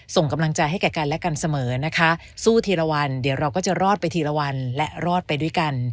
ส่งกำลังใจให้แก่กันและกันเสมอนะคะสู้ทีละวันเดี๋ยวเราก็จะรอดไปทีละวันและรอดไปด้วยกัน